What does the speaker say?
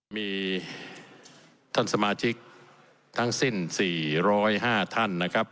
มีท่านสมาชิกทั้งสิ้น๔๐๕ท่านนะครับ